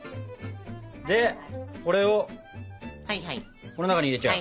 でこれをこの中に入れちゃう。